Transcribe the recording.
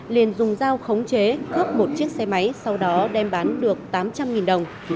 liền dùng dao khống chế cướp một chiếc xe máy sau đó đem bán được tám trăm linh đồng